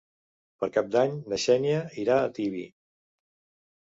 Per Cap d'Any na Xènia irà a Tibi.